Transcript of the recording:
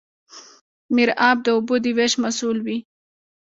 میرآب د اوبو د ویش مسوول وي.